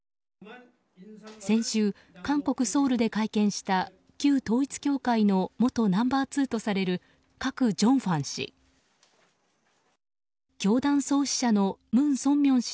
先週、韓国ソウルで会見した旧統一教会の元ナンバー２とされるカク・ジョンファン氏。